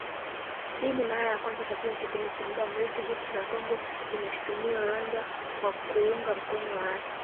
Hii ni mara ya kwanza katika kipindi cha muda mrefu, Jeshi la Kongo linaishutumu Rwanda kwa kuunga mkono waasi.